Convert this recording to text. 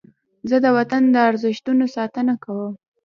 زه د وطن د ارزښتونو ساتنه کوم.